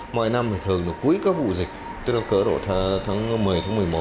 mọi năm thường cuối các vụ dịch tức là cỡ độ tháng một mươi tháng một mươi một